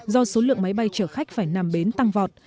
do số lượng máy bay chở khách phải nằm bến tăng vọt